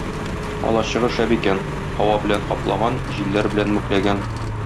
Алачыгы шәп икән: һава белән каплаган, җилләр белән мүкләгән.